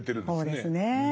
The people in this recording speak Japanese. そうですね。